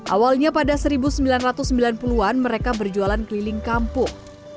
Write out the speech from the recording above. awalnya pada seribu sembilan ratus sembilan puluh an mereka berjualan keliling kampung